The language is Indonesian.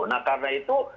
nah karena itu